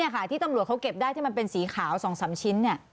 นี่ค่ะที่ตำรวจเขาเก็บได้ที่มันเป็นสีขาวสองสามชิ้นเนี่ย